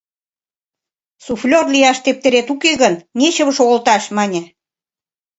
— Суфлёр лияш тептерет уке гын, нечыве шогылташ! — мане.